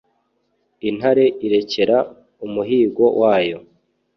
intare irereka umuhigo wayo,